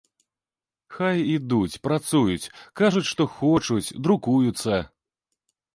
Хай ідуць, працуюць, кажуць, што хочуць, друкуюцца!